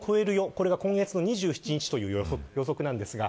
これが今月２７日という予測です。